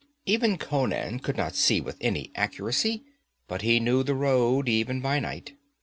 Even Conan could not see with any accuracy, but he knew the road, even by night.